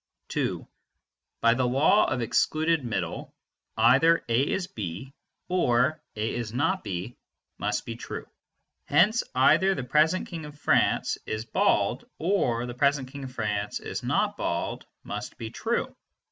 (2) By the law of the excluded middle, either "A is B" or "A is not B" must be true. Hence either "the present King of France is bald" or "the present King of France is not bald" must be true.